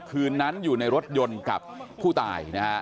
คืนนั้นอยู่ในรถยนต์กับผู้ตายนะฮะ